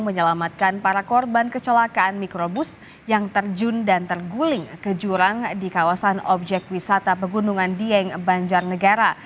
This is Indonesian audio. menyelamatkan para korban kecelakaan mikrobus yang terjun dan terguling ke jurang di kawasan objek wisata pegunungan dieng banjarnegara